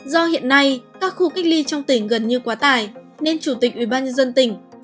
do hiện nay các khu cách ly trong tỉnh gần như quá tải nên chủ tịch ubnd tỉnh